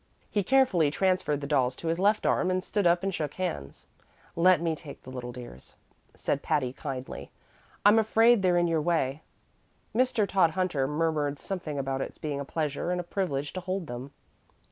He carefully transferred the dolls to his left arm and stood up and shook hands. "Let me take the little dears," said Patty, kindly; "I'm afraid they're in your way." Mr. Todhunter murmured something about its being a pleasure and a privilege to hold them.